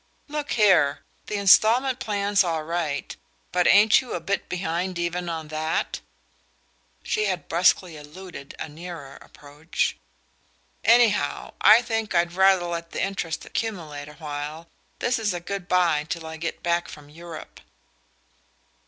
"Look here the installment plan's all right; but ain't you a bit behind even on that?" (She had brusquely eluded a nearer approach.) "Anyhow, I think I'd rather let the interest accumulate for a while. This is good bye till I get back from Europe."